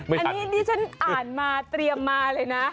อันนี้ที่ฉันอ่านมาเตรียมมาเลยนะ